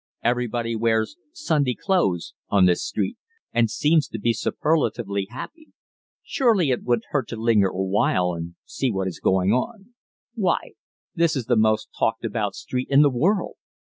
Everybody wears "Sunday clothes" on this street and seems to be superlatively happy. Surely it wouldn't hurt to linger awhile and see what is going on. Why, this is the most talked about street in the world!